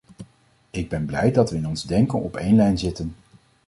Ik ben blij dat we in ons denken op één lijn zitten.